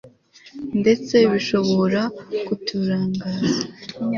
ndetse bishobora kuturangaza